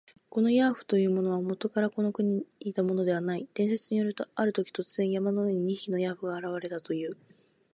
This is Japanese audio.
このヤーフというものは、もとからこの国にいたものではない。伝説によると、あるとき、突然、山の上に二匹のヤーフが現れたという。